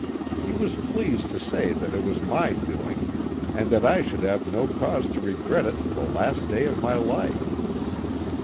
He was pleased to say that it was my doing, and that I should have no cause to regret it to the last day of my life.